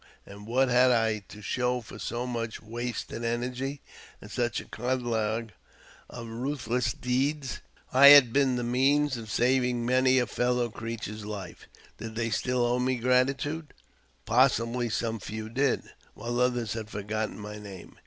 And what had I to show for so muG wasted energy, and such a catalogue of ruthless deeds ? I had been the means of saving many a fellow creature* life. Did they still owe me gratitude? Possibly some few did, while others had forgotten my name.